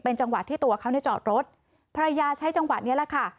จังหวะที่ตัวเขาในจอดรถภรรยาใช้จังหวะนี้แหละค่ะ